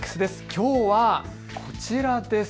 きょうはこちらです。